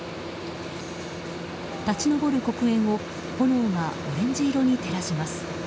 立ち上る黒煙を炎がオレンジ色に照らします。